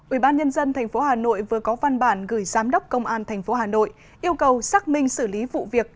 ủy ban nhân dân tp hà nội vừa có văn bản gửi giám đốc công an tp hà nội yêu cầu xác minh xử lý vụ việc